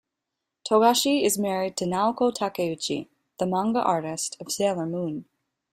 Togashi is married to Naoko Takeuchi, the manga artist of "Sailor Moon".